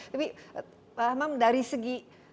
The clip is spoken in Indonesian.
tapi pak hamam dari segi